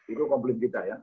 itu komplain kita ya